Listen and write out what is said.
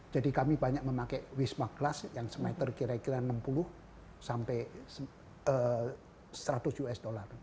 jadi kami banyak memakai wismar glass yang semeter kira kira enam puluh sampai seratus us dollar